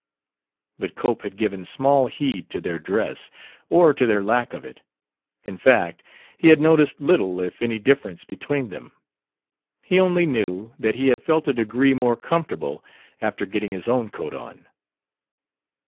But Cope had given small heed to their dress, or to their lack of it. In fact, he had noticed little if any difference between them. He only knew that he had felt a degree more comfortable after getting his own coat on.